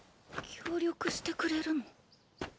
協力してくれるの？